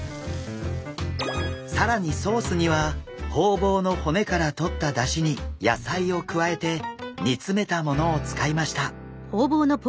更にソースにはホウボウの骨から取ったダシに野菜を加えて煮つめたものを使いました。